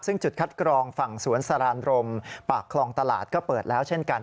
ซึ่งจุดคัดกรองฝั่งสวนสรานรมปากคลองตลาดก็เปิดแล้วเช่นกัน